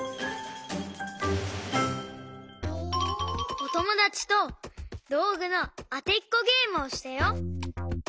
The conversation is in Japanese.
おともだちとどうぐのあてっこゲームをしたよ。